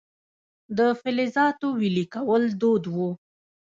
د فلزاتو ویلې کول دود و